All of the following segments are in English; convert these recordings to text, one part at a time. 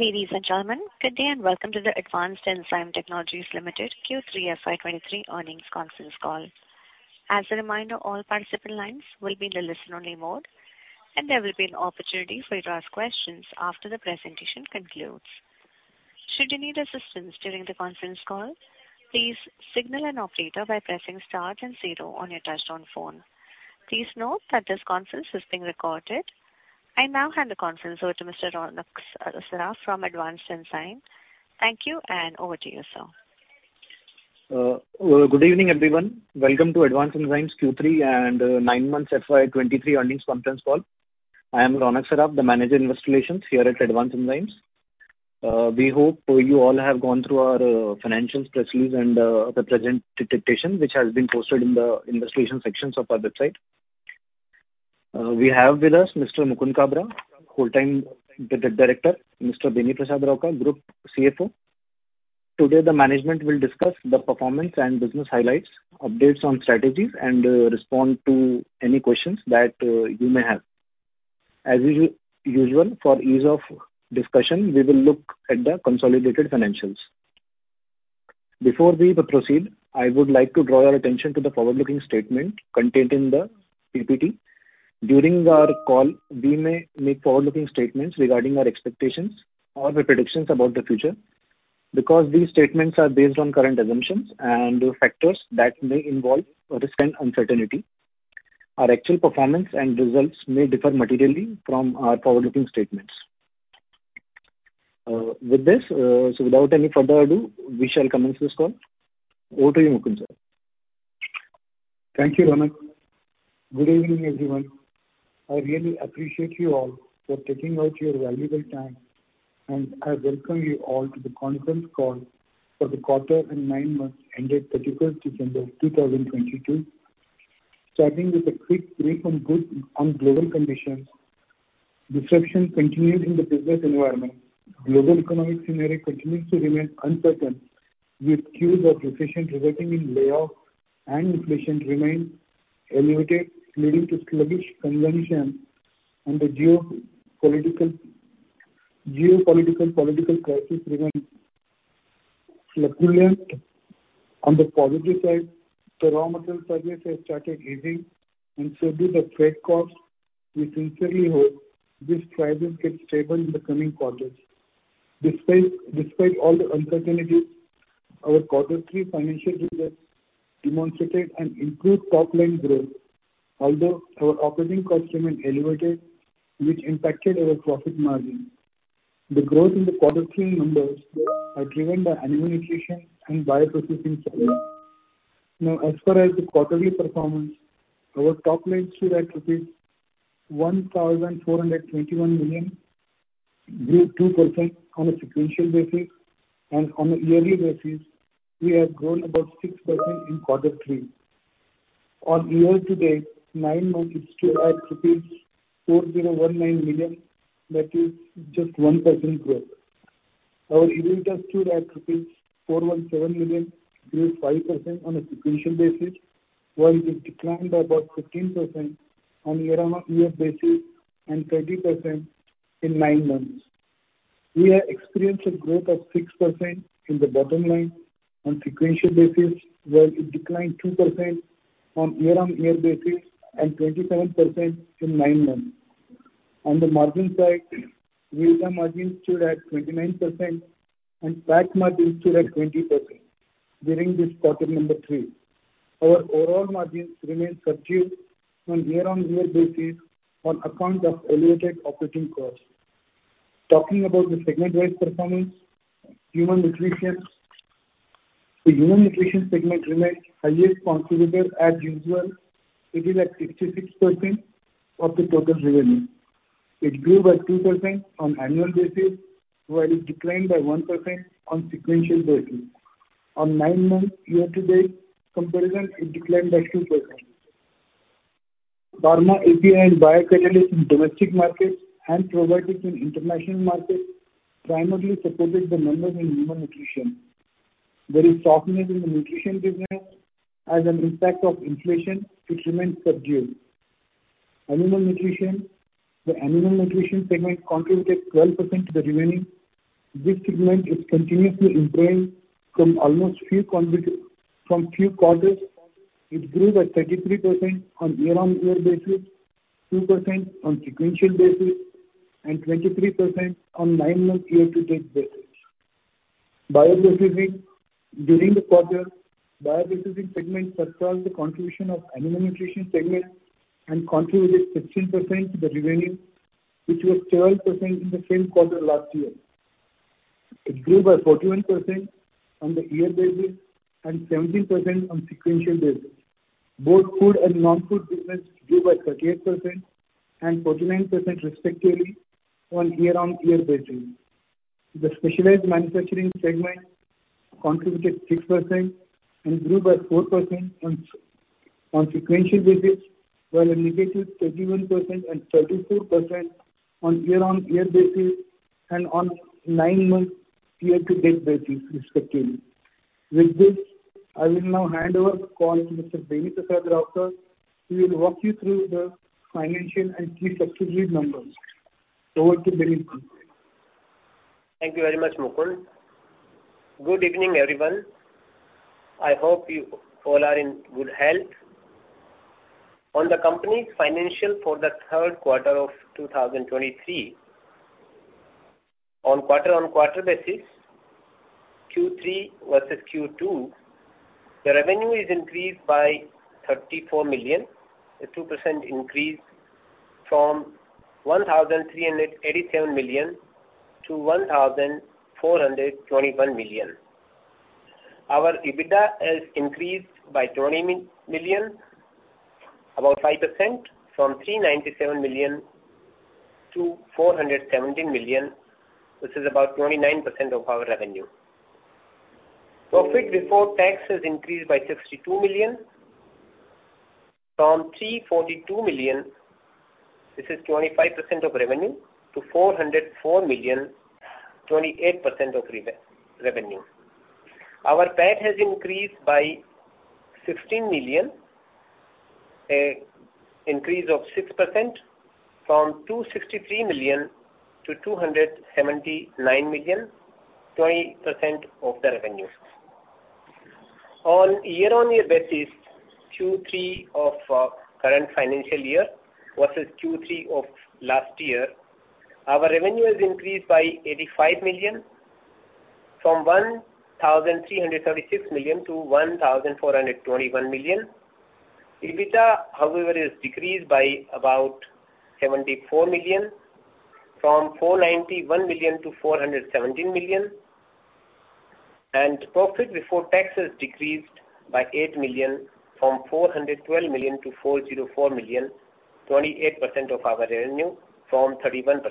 Ladies and gentlemen, good day and welcome to the Advanced Enzyme Technologies Limited Q3 FY23 earnings conference call. As a reminder, all participant lines will be in the listen only mode, and there will be an opportunity for you to ask questions after the presentation concludes. Should you need assistance during the conference call, please signal an operator by pressing star and zero on your touchtone phone. Please note that this conference is being recorded. I now hand the conference over to Mr. Ronak Saraf from Advanced Enzyme. Thank you and over to you, sir. Good evening, everyone. Welcome to Advanced Enzymes Q3 and nine months FY23 earnings conference call. I am Ronak Saraf, the Manager, Investor Relations here at Advanced Enzymes. We hope you all have gone through our financials, press release and the presentation which has been posted in the Investor Relations sections of our website. We have with us Mr. Mukund Kabra, Whole-time Director, Mr. Beni Prasad Rauka, Group CFO. Today, the management will discuss the performance and business highlights, updates on strategies, and respond to any questions that you may have. As usual, for ease of discussion, we will look at the consolidated financials. Before we proceed, I would like to draw your attention to the forward-looking statement contained in the PPT. During our call, we may make forward-looking statements regarding our expectations or the predictions about the future. These statements are based on current assumptions and factors that may involve risk and uncertainty, our actual performance and results may differ materially from our forward-looking statements. With this, without any further ado, we shall commence this call. Over to you, Mukund sir. Thank you, Ronak. Good evening, everyone. I really appreciate you all for taking out your valuable time, and I welcome you all to the conference call for the quarter and nine months ended 31st December 2022. Starting with a quick take on global conditions. Disruptions continued in the business environment. Global economic scenario continues to remain uncertain, with cues of recession resulting in layoffs and inflation remain elevated, leading to sluggish consumption and the geopolitical political crisis remains turbulent. On the positive side, raw material prices have started easing and so did the freight costs. We sincerely hope this trend will get stable in the coming quarters. Despite all the uncertainties, our quarter three financial results demonstrated an improved top line growth. Although our operating costs remained elevated, which impacted our profit margin. The growth in the quarter three numbers are driven by Animal Nutrition and Bio-Processing segments. Now, as far as the quarterly performance, our top line stood at 1,421 million, grew 2% on a sequential basis and on a yearly basis we have grown about 6% in quarter three. On year-to-date, nine months stood at 4,019 million, that is just 1% growth. Our EBITDA stood at rupees 417 million, grew 5% on a sequential basis, while it declined by about 15% on year-on-year basis and 30% in nine months. We have experienced a growth of 6% in the bottom line on sequential basis, while it declined 2% on year-on-year basis and 27% in nine months. On the margin side, EBITDA margin stood at 29% and PAT margin stood at 20% during this quarter number three. Our overall margins remained subdued on year-on-year basis on account of elevated operating costs. Talking about the segment-wise performance, Human Nutrition. The Human Nutrition segment remained highest contributor as usual. It is at 66% of the total revenue. It grew by 2% on annual basis, while it declined by 1% on sequential basis. On nine-month year-to-date comparison, it declined by 2%. Pharma/API and biocatalysts in domestic markets and probiotics in international markets primarily supported the numbers in Human Nutrition. There is softness in the nutrition business as an impact of inflation, which remained subdued. Animal Nutrition. The Animal Nutrition segment contributed 12% to the revenue. This segment is continuously improving from almost few quarters. It grew by 33% on year-on-year basis, 2% on sequential basis, and 23% on nine-month year-to-date basis. Bio-Processing. During the quarter, Bio-Processing segment surpassed the contribution of Animal Nutrition segment and contributed 15% to the revenue, which was 12% in the same quarter last year. It grew by 41% on the year basis and 17% on sequential basis. Both food and non-food business grew by 38% and 49% respectively on year-on-year basis. The Specialized Manufacturing segment contributed 6% and grew by 4% on sequential basis, while a -31% and 34% on year-on-year basis and on nine-month year-to-date basis respectively. With this, I will now hand over the call to Mr. Beni Prasad-Rauka. He will walk you through the financial and key subsidiary numbers. Over to Beni. Thank you very much, Mukund. Good evening, everyone. I hope you all are in good health. On the company's financial for the third quarter of 2,023. On quarter-on-quarter basis, Q3 versus Q2, the revenue is increased by 34 million, a 2% increase from 1,387 million-1,421. Our EBITDA has increased by 20 m-million, about 5% from 397 million-417 million, which is about 29% of our revenue. Profit before tax has increased by 62 million from 342 million, this is 25% of revenue, to 404 million, 28% of reve-revenue. Our PAT has increased by 16 million, a increase of 6% from 263 million-279 million,20% of the revenue. On year on year basis, Q3 of current financial year versus Q3 of last year, our revenue has increased by 85 million from 1,336 million-1,421 million. EBITDA, however, is decreased by about 74 million from 491 million-417 million. Profit before tax has decreased by 8 million from 412 million-404 million, 28% of our revenue from 31%.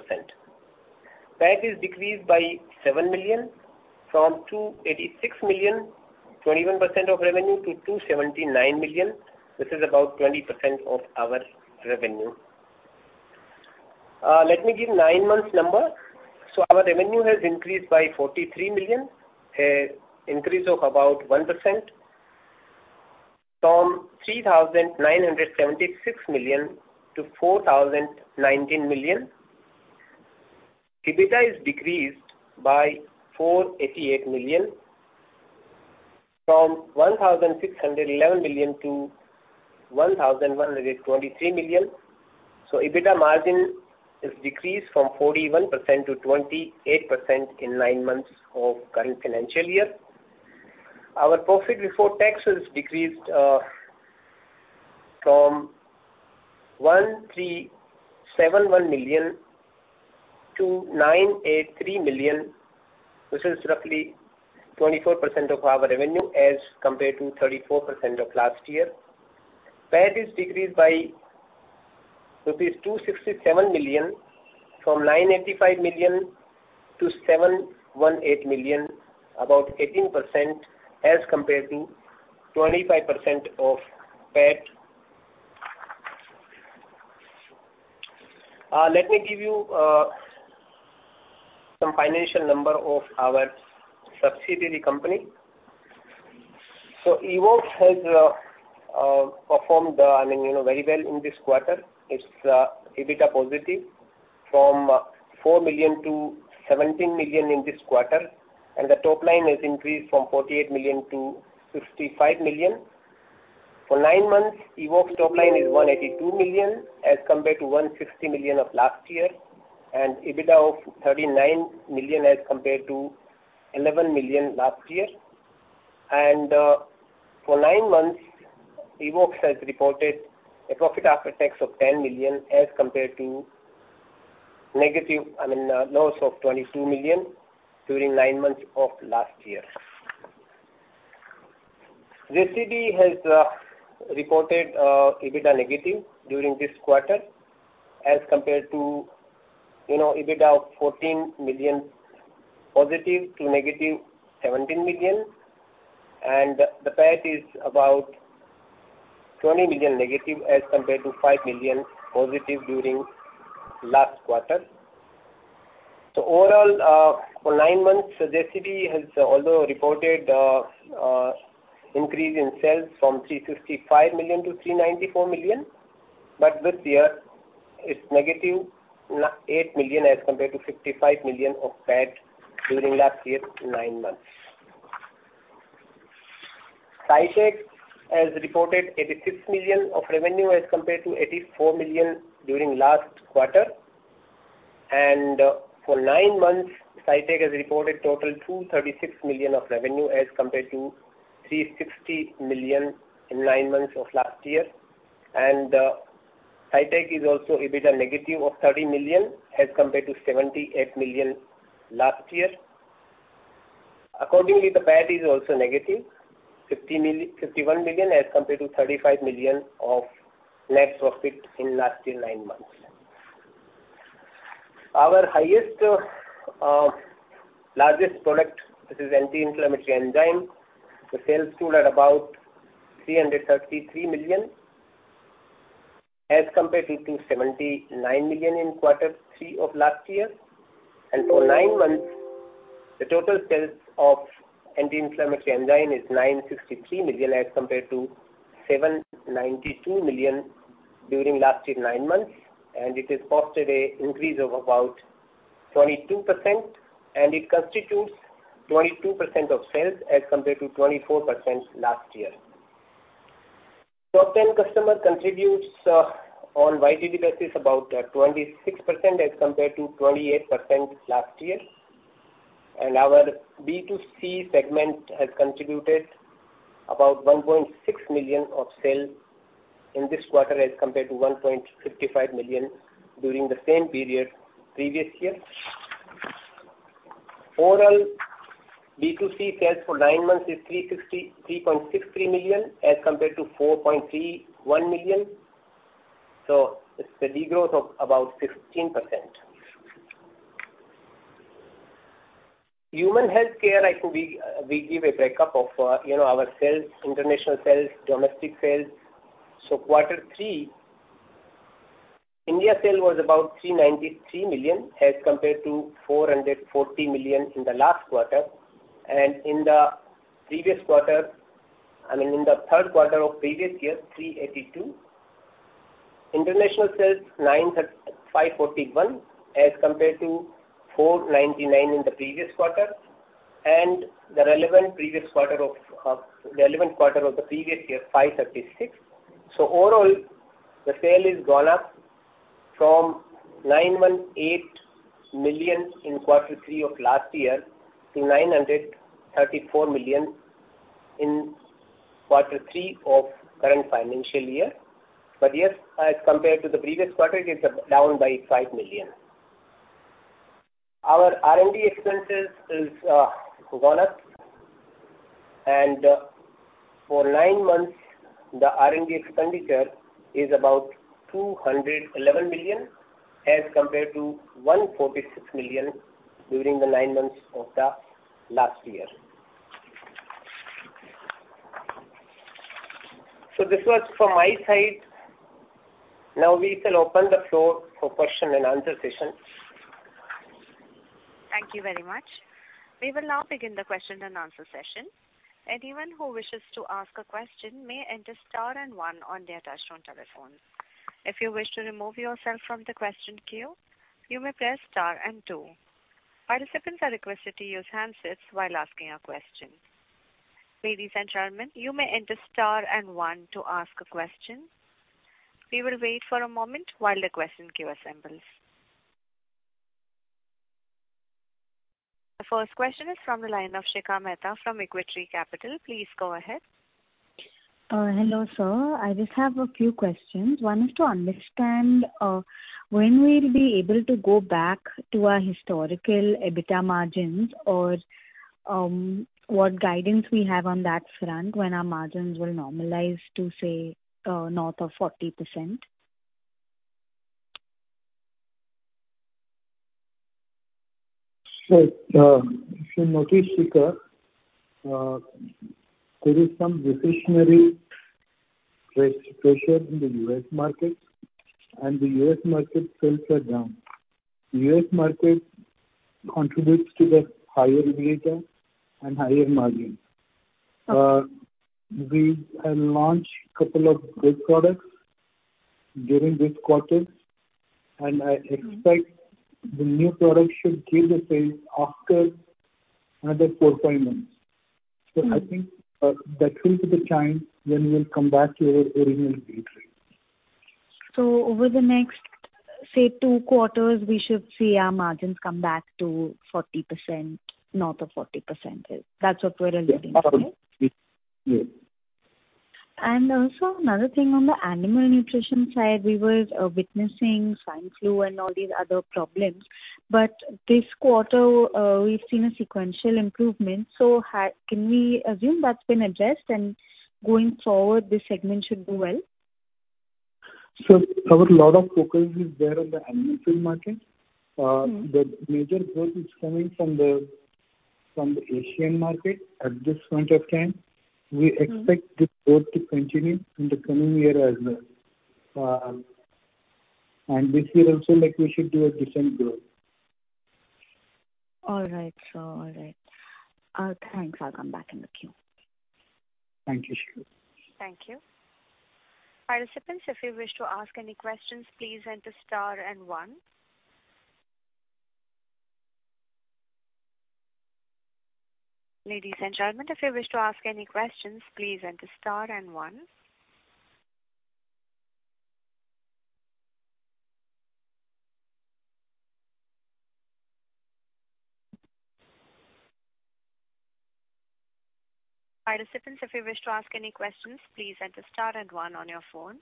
PAT is decreased by 7 million from 286 million, 21% of revenue to 279 million, which is about 20% of our revenue. Let me give nine months number. Our revenue has increased by 43 million, a increase of about 1% from 3,976 million to 4,019 million. EBITDA is decreased by 488 million from 1,611 million-1,123 million. EBITDA margin is decreased from 41%-28% in nine months of current financial year. Our profit before tax has decreased from 1,371 million-983 million, which is roughly 24% of our revenue as compared to 34% of last year. PAT is decreased by rupees 267 million from 985 million-718 million, about 18% as compared to 25% of PAT. Let me give you some financial number of our subsidiary company. evoxx has performed I mean, you know, very well in this quarter. It's EBITDA positive from $4 million-$17 million in this quarter, and the top line has increased from $48 million to $55 million. For nine months, evoxx top line is $182 million as compared to $160 million of last year, and EBITDA of $39 million as compared to $11 million last year. For nine months, evoxx has reported a profit after tax of $10 million as compared to negative, I mean, loss of $22 million during nine months of last year. JC Biotech has reported EBITDA negative during this quarter as compared to, you know, EBITDA of +$14 million to -$17 million. The PAT is about -$20 million as compared to +$5 million during last quarter. Overall, for nine months, JC Biotech has although reported an increase in sales from 355 million to 394 million. This year it's -8 million as compared to 55 million of PAT during last year's nine months. SciTech Specialities has reported 86 million of revenue as compared to 84 million during last quarter. For nine months, SciTech Specialities has reported total 236 million of revenue as compared to 360 million in nine months of last year. SciTech Specialities is also EBITDA negative of 30 million as compared to 78 million last year. Accordingly, the PAT is also negative, 51 million as compared to 35 million of net profit in last year nine months. Our highest, largest product, which is anti-inflammatory enzyme, the sales stood at about 333 million. As compared to 279 million in quarter three of last year. For nine months, the total sales of anti-inflammatory enzyme is 963 million as compared to 792 million during last year nine months, and it has posted a increase of about 22%, and it constitutes 22% of sales as compared to 24% last year. Top 10 customer contributes on YTD basis about 26% as compared to 28% last year. Our B2C segment has contributed about 1.6 million of sales in this quarter as compared to 1.55 million during the same period previous year. Overall, B2C sales for nine months is 3.63 million as compared to 4.31 million. It's a de-growth of about 15%. Human healthcare, we give a break up of, you know, our sales, international sales, domestic sales. quarter three, India sale was about 393 million as compared to 440 million in the last quarter. In the previous quarter, I mean, in the third quarter of previous year, 382 million. International sales, 541 million as compared to 499 million in the previous quarter. The relevant previous quarter of the relevant quarter of the previous year, 536 million. Overall, the sale is gone up from 918 million in quarter three of last year to 934 million in quarter three of current financial year. Yes, as compared to the previous quarter, it is down by 5 million. Our R&D expenses is gone up. For nine months, the R&D expenditure is about 211 million as compared to 146 million during the nine months of the last year. This was from my side. Now we shall open the floor for question-and-answer session. Thank you very much. We will now begin the question-and-answer session. Anyone who wishes to ask a question may enter star and one on their touchtone telephone. If you wish to remove yourself from the question queue, you may press star and two. Participants are requested to use handsets while asking a question. Ladies and gentlemen, you may enter star and one to ask a question. We will wait for a moment while the question queue assembles. The first question is from the line of Shikha Mehta from Equitree Capital. Please go ahead. Hello, sir. I just have a few questions. One is to understand when we'll be able to go back to our historical EBITDA margins or what guidance we have on that front when our margins will normalize to, say, north of 40%. If you notice, Shikha, there is some discretionary pressure in the U.S. market and the U.S. market sales are down. U.S. market contributes to the higher EBITDA and higher margins. We have launched couple of good products during this quarter, and I expect the new products should give the sales after another four, five months. I think that will be the time when we'll come back to our original EBITDA. Over the next, say, two quarters, we should see our margins come back to 40%, north of 40%. That's what we're assuming? Yes. Also another thing on the Animal Nutrition side, we were witnessing swine flu and all these other problems, but this quarter, we've seen a sequential improvement. Can we assume that's been addressed and going forward, this segment should do well? Our lot of focus is there on the animal feed market. The major growth is coming from the Asian market. At this point of time, we expect this growth to continue in the coming year as well. This year also, like we should do a decent growth. All right, sir. All right. Thanks. I'll come back in the queue. Thank you, Shikha. Thank you. Participants, if you wish to ask any questions, please enter star and one. Ladies and gentlemen, if you wish to ask any questions, please enter star and one. Participants, if you wish to ask any questions, please enter star and one on your phone.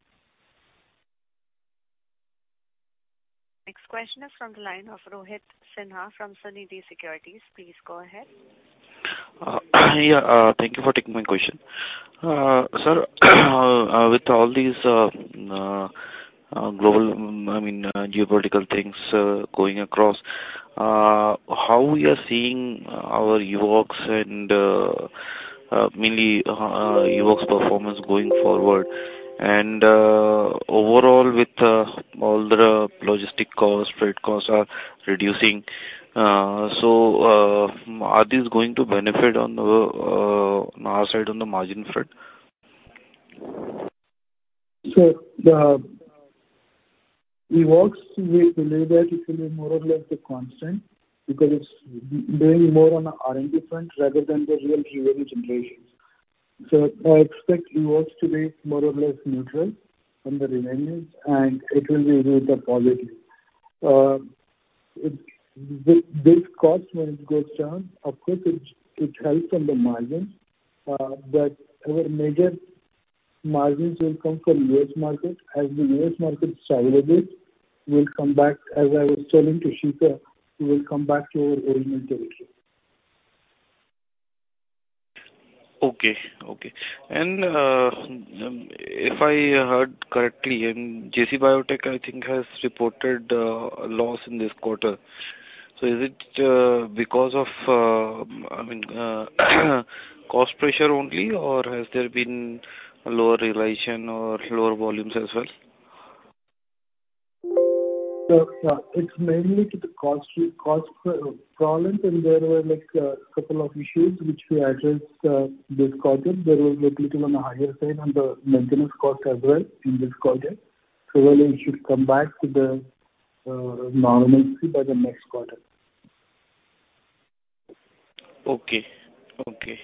Next question is from the line of Rohit Sinha from Sunidhi Securities. Please go ahead. Yeah, thank you for taking my question. Sir, with all these, I mean, geopolitical things going across, how we are seeing our evoxx and, mainly, evoxx performance going forward. Overall with all the logistic costs, freight costs are reducing. Are these going to benefit on the our side on the margin front? The evoxx, we believe that it will be more or less the constant because it's being more on a R&D difference rather than the real revenue generations. I expect evoxx to be more or less neutral on the revenues, and it will be with a positive. This cost, when it goes down, of course, it helps on the margins. Our major margins will come from U.S. market. As the U.S. market stabilizes, we'll come back. As I was telling to Shikha, we will come back to our original position. Okay. Okay. If I heard correctly, and JC Biotech, I think, has reported a loss in this quarter. Is it because of, I mean, cost pressure only, or has there been lower realization or lower volumes as well? Yeah, it's mainly to the cost problem, and there were like a couple of issues which we addressed this quarter. There was like little on the higher side on the maintenance cost as well in this quarter. I think it should come back to the normalcy by the next quarter. Okay. Okay.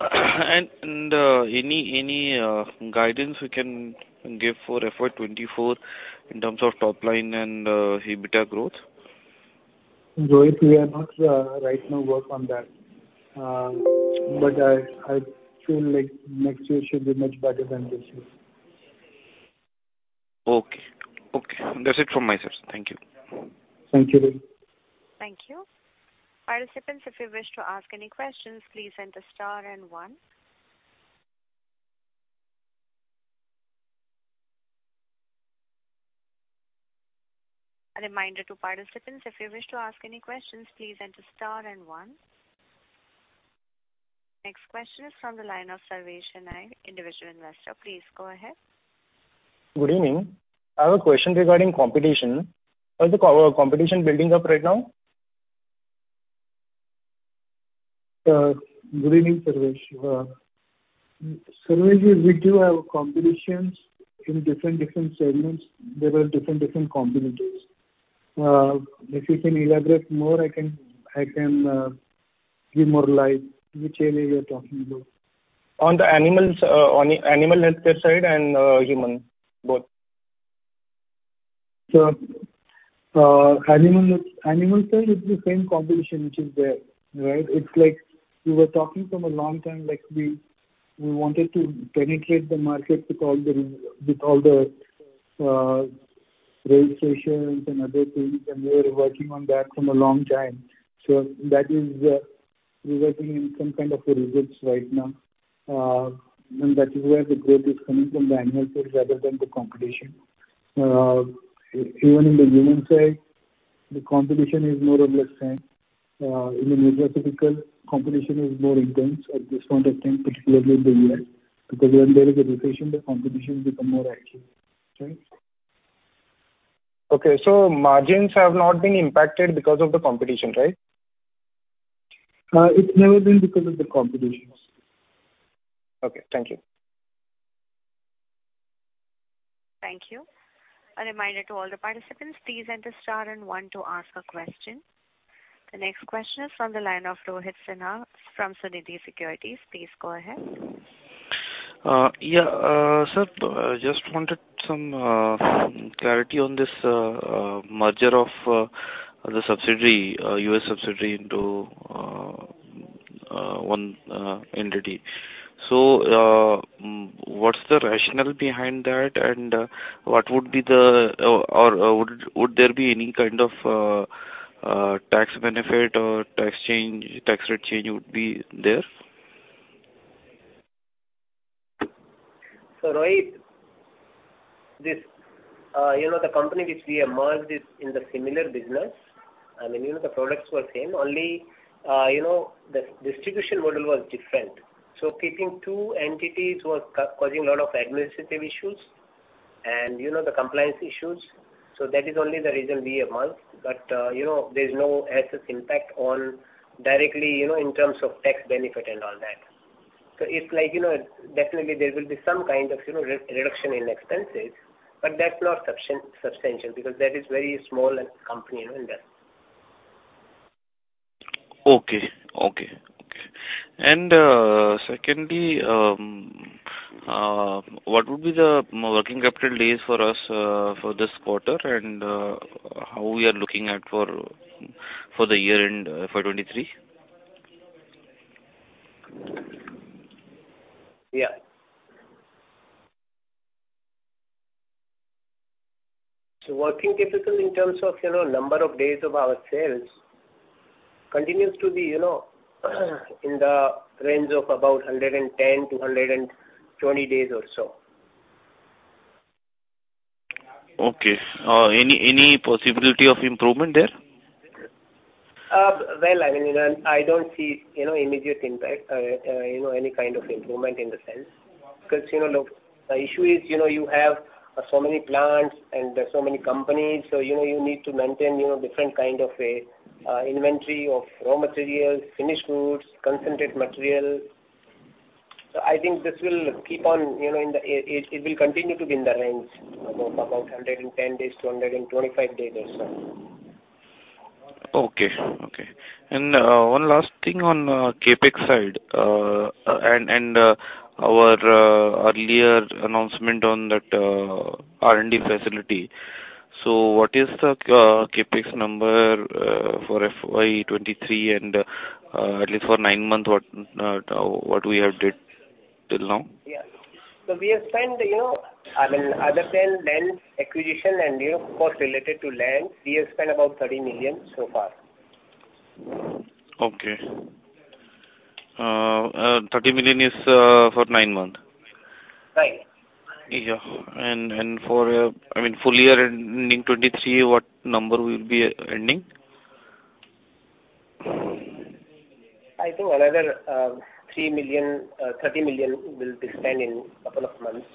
Any guidance you can give for FY24 in terms of top line and EBITDA growth? Rohit, we are not, right now work on that. I feel like next year should be much better than this year. Okay. Okay. That's it from myself. Thank you. Thank you. Thank you. Participants, if you wish to ask any questions, please enter star and one. A reminder to participants, if you wish to ask any questions, please enter star and one. Next question is from the line of Sarvesh Saini, Individual Investor. Please go ahead. Good evening. I have a question regarding competition. Are the competition building up right now? Good evening, Sarvesh. Sarvesh, we do have competitions in different segments. There are different competitors. If you can elaborate more, I can give more light which area you're talking about. On animal healthcare side and, human, both. Animal side is the same competition which is there, right? It's like we were talking from a long time, like we wanted to penetrate the market with all the registrations and other things, and we are working on that from a long time. That is resulting in some kind of a results right now. And that is where the growth is coming from the animal side rather than the competition. Even in the human side, the competition is more or less same. In the major typical competition is more intense at this point of time, particularly in the U.S., because when there is a recession, the competition become more active. Right? Okay. margins have not been impacted because of the competition, right? It's never been because of the competition. Okay, thank you. Thank you. A reminder to all the participants, please enter star and one to ask a question. The next question is from the line of Rohit Sinha from Sunidhi Securities. Please go ahead. Yeah. Sir, just wanted some clarity on this merger of the subsidiary, U.S. subsidiary into one entity. What's the rationale behind that and what would be the... or would there be any kind of tax benefit or tax change, tax rate change would be there? Rohit, this, you know, the company which we have merged is in the similar business. I mean, you know, the products were same, only, you know, the distribution model was different. Keeping two entities was causing a lot of administrative issues and, you know, the compliance issues. That is only the reason we have merged. You know, there's no as such impact on directly, you know, in terms of tax benefit and all that. It's like, you know, definitely there will be some kind of, you know, reduction in expenses, but that's not substantial because that is very small company, you know, that. Okay. Okay. Okay. Secondly, what would be the working capital days for us, for this quarter, and how we are looking at for the year-end FY2023? Yeah. Working capital in terms of, you know, number of days of our sales continues to be, you know, in the range of about 110-120 days or so. Okay. any possibility of improvement there? Well, I mean, you know, I don't see, you know, immediate impact, you know, any kind of improvement in the sales. You know, look, the issue is, you know, you have so many plants and so many companies. You know, you need to maintain, you know, different kind of a, inventory of raw materials, finished goods, concentrate material. I think this will keep on, you know, it will continue to be in the range about 110 days-125 days or so. Okay. Okay. One last thing on CapEx side. Our earlier announcement on that R&D facility. What is the CapEx number for FY2023 and at least for nine months, what we have did till now? Yeah. We have spent, you know, I mean, other than land acquisition and, you know, cost related to land, we have spent about 30 million so far. Okay. 30 million is for nine months? Right. Yeah. for, I mean, full year ending FY2023, what number we'll be ending? I think another, 30 million will be spent in couple of months.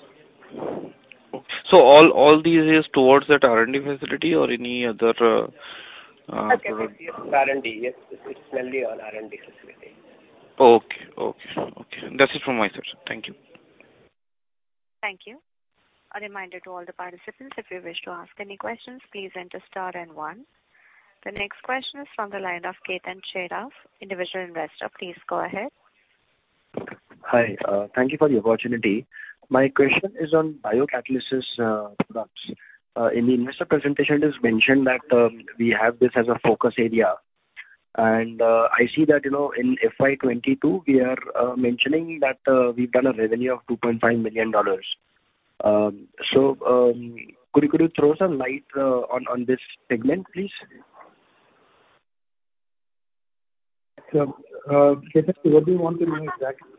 All these is towards that R&D facility or any other? R&D, yes. It's mainly on R&D facility. Okay. Okay. Okay. That's it from my side, sir. Thank you. Thank you. A reminder to all the participants, if you wish to ask any questions, please enter star and one. The next question is from the line of Ketan Saraf, Individual Investor. Please go ahead. Hi, thank you for the opportunity. My question is on biocatalysis products. In the investor presentation it is mentioned that we have this as a focus area. I see that, you know, in FY2022 we are mentioning that we've done a revenue of $2.5 million. Could you throw some light on this segment, please? Ketan, what do you want to know exactly?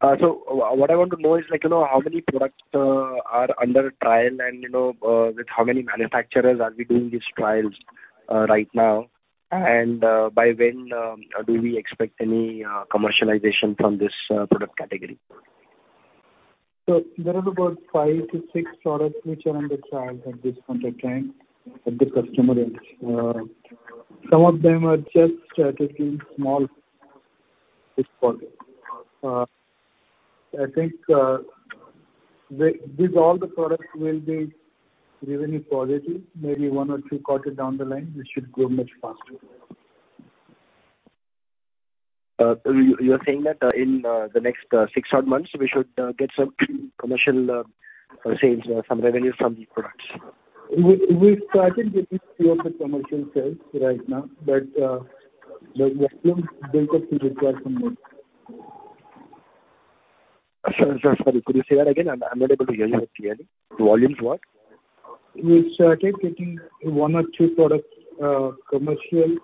What I want to know is like, you know, how many products are under trial and, you know, with how many manufacturers are we doing these trials right now? By when do we expect any commercialization from this product category? There is about five to six products which are under trial at this point in time at the customer end. Some of them are just strategically small this quarter. I think, These all the products will be revenue positive maybe one or two quarter down the line. This should grow much faster. You're saying that in the next six, eight months we should get some commercial sales, some revenue from the products? We started getting few of the commercial sales right now, but the volume build-up will require some more. Sorry. Could you say that again? I'm not able to hear you clearly. Volumes what? We started getting one or two products, commercial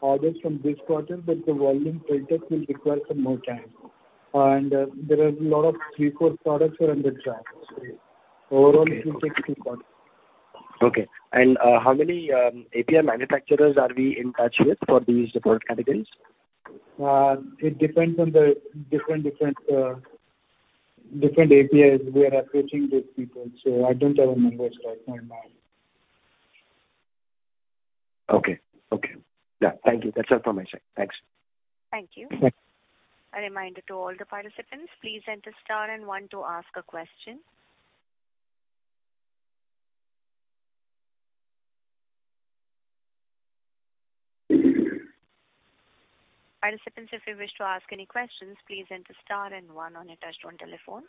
orders from this quarter. The volume build-up will require some more time. There are lot of three, four products are under trial. Overall it will take some time. Okay. How many API manufacturers are we in touch with for these product categories? It depends on the different APIs we are approaching these people. I don't have a numbers right now in mind. Okay. Okay. Yeah. Thank you. That's all from my side. Thanks. Thank you. Thanks. A reminder to all the participants, please enter star and one to ask a question. Participants, if you wish to ask any questions, please enter star and one on your touchtone telephone.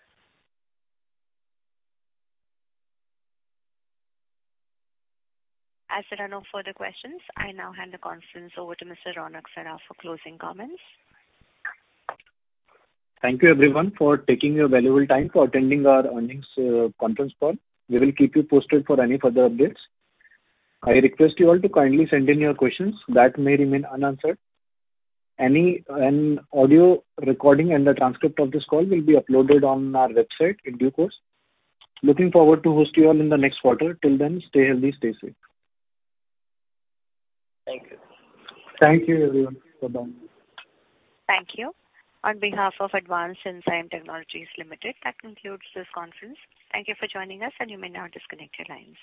There are no further questions, I now hand the conference over to Mr. Ronak Saraf for closing comments. Thank you everyone for taking your valuable time for attending our earnings conference call. We will keep you posted for any further updates. I request you all to kindly send in your questions that may remain unanswered. An audio recording and the transcript of this call will be uploaded on our website in due course. Looking forward to host you all in the next quarter. Till then, stay healthy, stay safe. Thank you. Thank you, everyone. Bye-bye. Thank you. On behalf of Advanced Enzyme Technologies Limited, that concludes this conference. Thank you for joining us, and you may now disconnect your lines.